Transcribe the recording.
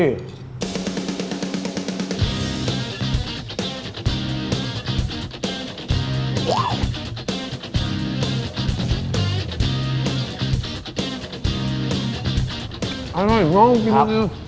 อร่อยน้องกินดี